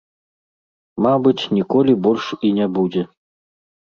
Мабыць, ніколі больш і не будзе.